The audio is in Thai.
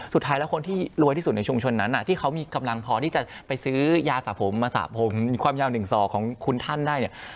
สุดท้ายแล้วคนที่รวยที่สุดในชุมชนนั้นที่เขามีกำลังพอที่จะไปซื้อยาสระผมมาสระผมความยาว๑ศอกของคุณท่านได้เนี่ย